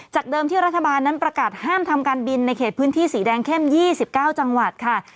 เดิมที่รัฐบาลนั้นประกาศห้ามทำการบินในเขตพื้นที่สีแดงเข้ม๒๙จังหวัดค่ะ